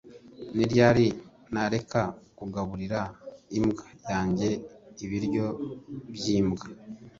Ni ryari nareka kugaburira imbwa yanjye ibiryo byimbwa